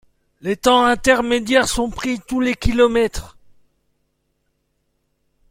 Les temps intermédiaires sont pris tous les kilomètres.